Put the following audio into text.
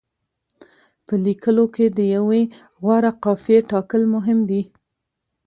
په لیکلو کې د یوې غوره قافیې ټاکل مهم دي.